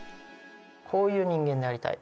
こういう人間になりたい